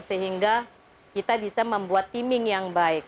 sehingga kita bisa membuat teaming yang baik